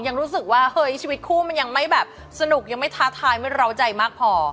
ยังรู้สึกว่าเฮ้ยชีวิตคู่มันยังไม่แบบสนุกยังไม่ท้าทายไม่ร้าวใจมากพอ